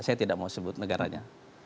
saya tidak mau sebut negaranya